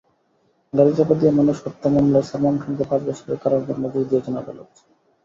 গাড়িচাপা দিয়ে মানুষ হত্যা মামলায় সালমান খানকে পাঁচ বছরের কারাদণ্ডাদেশ দিয়েছেন আদালত।